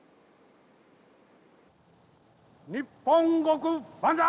日本国万歳！